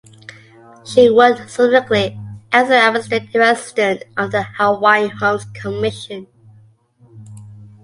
She worked subsequently as the administrative assistant of the Hawaiian Homes Commission.